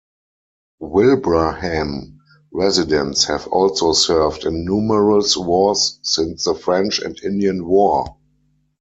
Wilbraham residents have also served in numerous wars since the French and Indian War.